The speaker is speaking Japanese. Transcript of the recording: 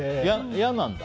嫌なんだ？